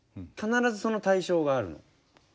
必ずその対象があるの。